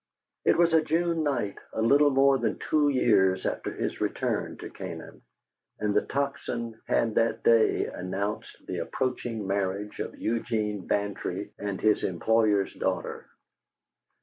It was a June night, a little more than two years after his return to Canaan, and the Tocsin had that day announced the approaching marriage of Eugene Bantry and his employer's daughter.